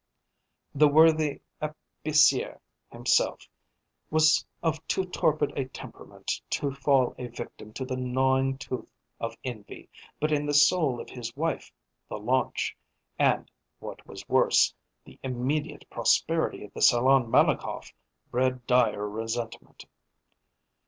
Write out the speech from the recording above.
The worthy épicier himself was of too torpid a temperament to fall a victim to the gnawing tooth of envy, but in the soul of his wife the launch, and, what was worse, the immediate prosperity of the Salon Malakoff, bred dire resentment.